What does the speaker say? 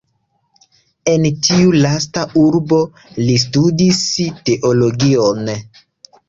En tiu lasta urbo li studis teologion.